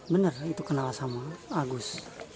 benar itu kenal sama agus